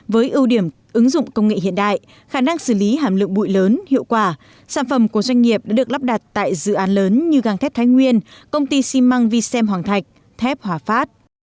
với ưu điểm ứng dụng công nghệ hiện đại khả năng xử lý hàm lượng bụi lớn hiệu quả sản phẩm của doanh nghiệp đã được lắp đặt tại dự án lớn như găng thép thái nguyên công ty xi măng vi xem hoàng thạch thép hòa phát